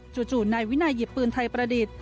จู่นายวินัยหยิบปืนไทยประดิษฐ์